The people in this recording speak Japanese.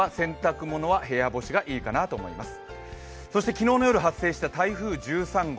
昨日の夜発生した台風１３号。